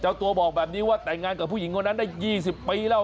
ตัวบอกแบบนี้ว่าแต่งงานกับผู้หญิงคนนั้นได้๒๐ปีแล้ว